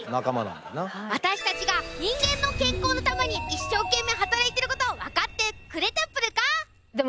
私たちが人間の健康のために一生懸命働いてること分かってくれたプルか？